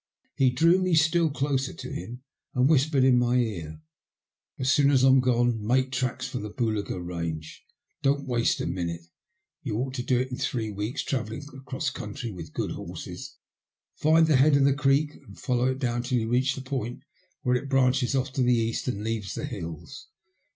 He drew me still closer to him and whispered in my ear —" As soon as I'm gone make tracks for the Boolga Bange. Don't waste a minute. You ought to do it in three weeks, travelling across country with good horses. Find the head of the creek, and follow it down till you reach the point where it branches off to the east and leaves the hills.